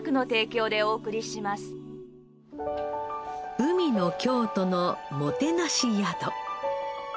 海の京都のもてなし宿